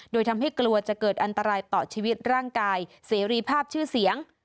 โดยทำให้กลัวจะเกิดอันตรายต่อชีวิตร่างกายเสรีภาพชื่อเสียง